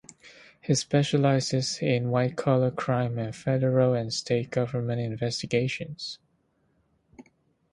He specializes in White-collar crime and federal and state government investigations.